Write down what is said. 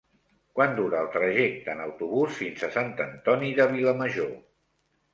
Quant dura el trajecte en autobús fins a Sant Antoni de Vilamajor?